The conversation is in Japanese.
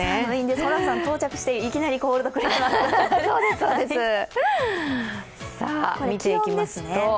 ホランさん、到着していきなりコールドクリスマスと。